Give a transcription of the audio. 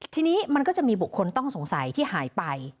ทีนี้มันก็จะมีบุคคลต้องสงสัยที่หายไป